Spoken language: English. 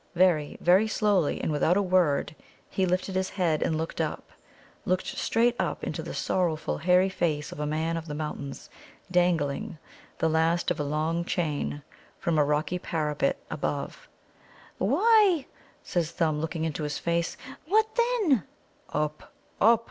Very, very slowly, and without a word, he lifted his head and looked up looked straight up into the sorrowful hairy face of a Man of the Mountains dangling, the last of a long chain, from a rocky parapet above. "Why?" says Thumb, looking into his face. "What then?" "Up, up!"